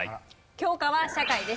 教科は社会です。